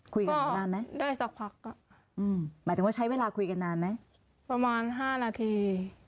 คุยกันนานไหมได้สักพักก็อืมหมายถึงว่าใช้เวลาคุยกันนานไหมประมาณห้านาที